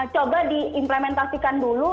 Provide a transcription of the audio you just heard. coba diimplementasikan dulu